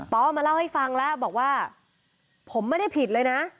เอามาเล่าให้ฟังแล้วบอกว่าผมไม่ได้ผิดเลยนะ